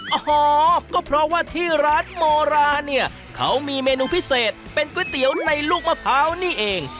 โอ้โหก็เพราะว่าที่ร้านโมราเนี่ยเขามีเมนูพิเศษเป็นก๋วยเตี๋ยวในลูกมะพร้าวนี่เอง